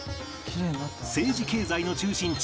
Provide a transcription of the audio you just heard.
政治経済の中心地